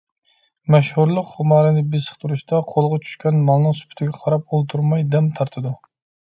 مەشھۇرلۇق خۇمارىنى بېسىقتۇرۇشقا قولىغا چۈشكەن مالنىڭ سۈپىتىگە قاراپ ئولتۇرماي دەم تارتىدۇ.